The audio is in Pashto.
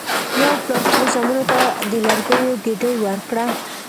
یو پلار خپلو زامنو ته د لرګیو ګېډۍ ورکړه.